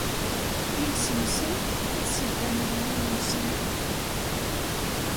D iles-nsen i d ssebba n uɣelluy-nsen.